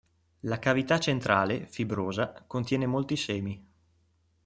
La cavità centrale, fibrosa, contiene molti semi.